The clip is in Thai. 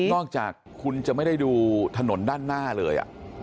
นอกจากคุณจะไม่ได้ดูถนนด้านหน้าเลย